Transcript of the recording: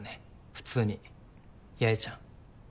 普通に八重ちゃん。